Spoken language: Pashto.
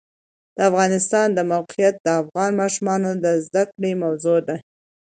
د افغانستان د موقعیت د افغان ماشومانو د زده کړې موضوع ده.